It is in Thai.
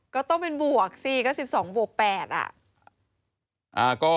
ก็ต้องเป็นบวกสิก็๑๒บวก๘อ่ะ